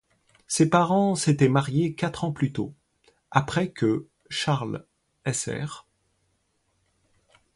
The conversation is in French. Ses parents s'étaient mariés quatre ans plus tôt, après que Charles Sr.